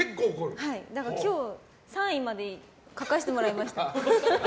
だから今日３位まで書かせてもらいました。